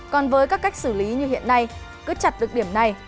còn với các cách xử lý như hiện nay